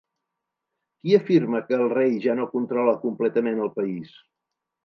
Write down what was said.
Qui afirma que el rei ja no controla completament el país?